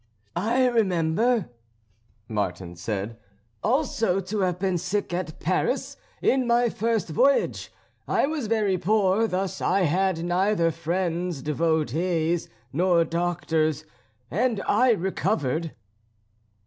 "I remember," Martin said, "also to have been sick at Paris in my first voyage; I was very poor, thus I had neither friends, devotees, nor doctors, and I recovered."